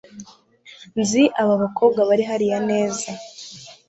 nzi abo bakobwa bari hariya neza